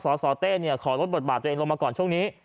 สสเต้ขอลดบทบาทตัวเองลงมาก่อนช่วงนี้